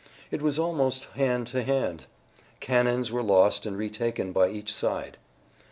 It was almost hand to hand. Cannons were lost and retaken by each side.